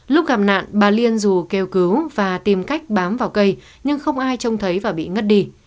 lúc gặp nạn bà liên dù kêu cứu và tìm cách bám vào cây nhưng không ai trông thấy và bị ngất đi